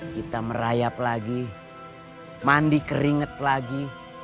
kita merayap lagi mandi keringet lagi